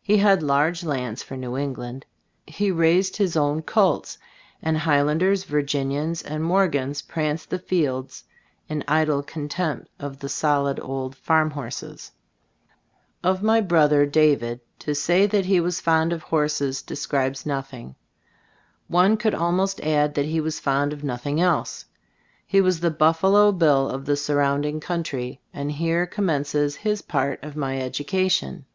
He had large lands, for New England. He raised his own colts ; and Highlanders, Virginians and Morgans pranced the fields in idle contempt of the solid old farm horses. Gbe Storg of Ab Gbtldbooft 19 Of my brother, David, to say that he was fond of horses describes noth ing ; one could almost add that he was fond of nothing else. He was the Buffalo Bill of the surrounding coun try, and here commences his part of my education.